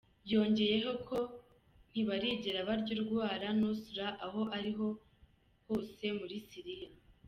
Yongeyeko ko: “Ntibarigera barya urwara Nusra aho ari ho hose muri Syria.